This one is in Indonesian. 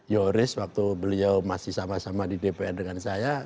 yoris waktu beliau masih sama sama di dpr dengan saya